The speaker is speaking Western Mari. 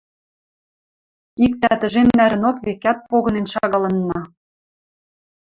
Иктӓ тӹжем нӓрӹнок, векӓт погынен шагалынна.